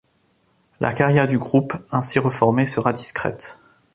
La carrière du groupe ainsi reformé sera discrète.